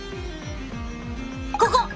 ここ！